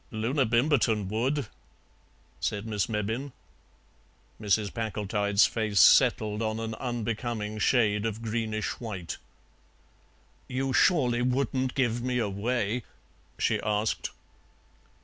"Loona Bimberton would," said Miss Mebbin. Mrs. Packletide's face settled on an unbecoming shade of greenish white. "You surely wouldn't give me away?" she asked.